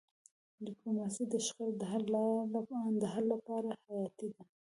ډيپلوماسي د شخړو د حل لپاره حیاتي ده.